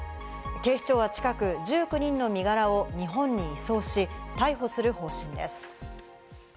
警視庁は近く１９人の身柄を日本に移送し逮捕する方針です。